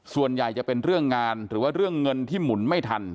ส่วนใหญ่จะเป็นเรื่องงานหรือว่าเรื่องเงินที่หมุนไม่ทัน